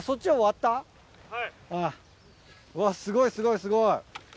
うわすごいすごいすごい。